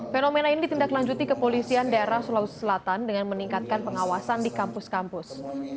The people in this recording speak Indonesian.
fenomena ini ditindaklanjuti kepolisian daerah sulawesi selatan dengan meningkatkan pengawasan di kampus kampus